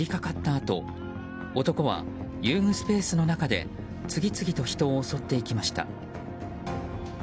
あと男は遊具スペースの中で次々と人を襲っていきました。